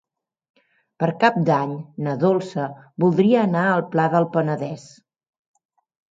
Per Cap d'Any na Dolça voldria anar al Pla del Penedès.